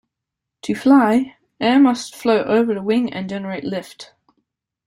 To fly, air must flow over the wing and generate lift.